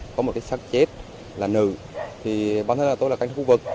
có một cái sát chết là nữ thì bản thân là tôi là cảnh sát khu vực